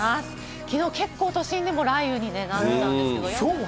きのう結構、都心でも雷雨になったんですけれども。